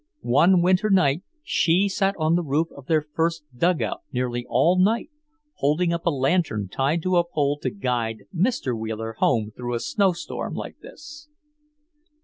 One winter night she sat on the roof of their first dugout nearly all night, holding up a lantern tied to a pole to guide Mr. Wheeler home through a snowstorm like this.